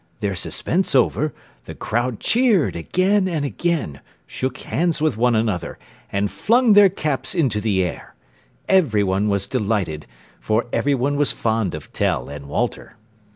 Their suspense over, the crowd cheered again and again, shook hands with one another, and flung their caps into the air. Everyone was delighted, for everyone was fond of Tell and Walter.